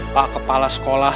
pak kepala sekolah